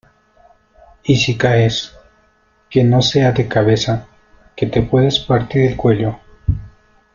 y si caes, que no sea de cabeza , que te puedes partir el cuello.